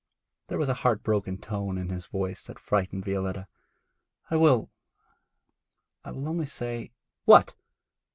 There was a heart broken tone in his voice that frightened Violetta. 'I will I will only say ' 'What?'